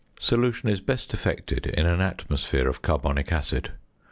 Solution is best effected in an atmosphere of carbonic acid.